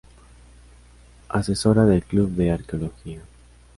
Asesora del club de arqueología.